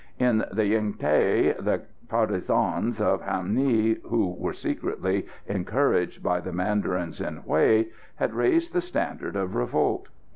In the Yen Thé the partisans of Ham Nghi, who were secretly encouraged by the mandarins in Hué, had raised the standard of revolt.